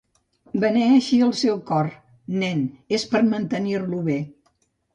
Beneeixi el seu cor, nen, és per mantenir-lo bé.